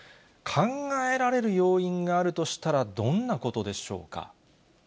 考えられる要因があるとしたら、どんなことでしょうか。